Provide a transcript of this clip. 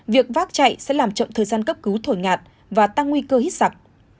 việc vác chạy sẽ làm chậm thời gian cấp cứu thổi ngạt và tăng nguy cơ hít giặc